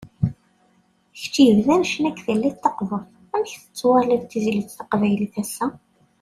Kečč yebdan ccna deg tallit taqburt, amek tettwaliḍ tizlit taqbaylit ass-a?